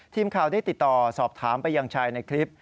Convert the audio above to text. ทีมข่าวได้ติดต่อสอบถามไปยังชายในคลิป